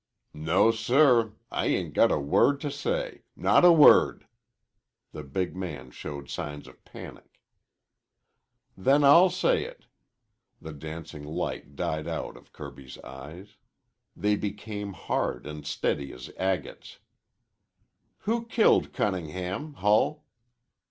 "No, sir! I ain't got a word to say not a word!" The big man showed signs of panic. "Then I'll say it." The dancing light died out of Kirby's eyes. They became hard and steady as agates. "Who killed Cunningham, Hull?"